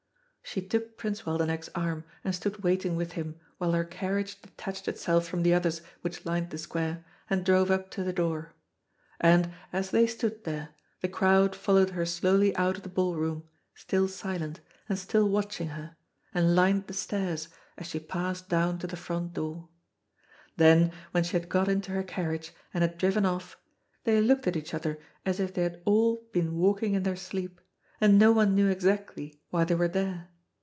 She took Prince Waldenech's arm, and stood waiting with him, while her carriage detached itself from the others which lined the square, and drove up to the door. And, as they stood there, the crowd followed her slowly out of the ballroom, still silent, and still watching her, and lined the stairs, as she passed down to the front door. Then, when she had got into her carriage, and had driven off, they looked at each other as if they had all been walking in their sleep, and no one knew exactly why they were there.